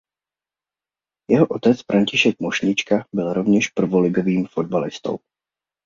Jeho otec František Mošnička byl rovněž prvoligovým fotbalistou.